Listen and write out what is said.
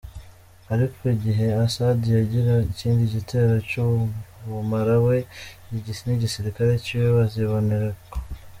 Ariko mu gihe Assad yogira ikindi gitero c'ubumara we n'igisirikare ciwe, bazibonerako.